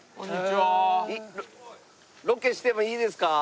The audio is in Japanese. ロケしてもいいですか？